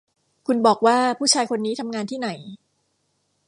คุณบอกว่าผู้ชายคนนี้ทำงานที่ไหน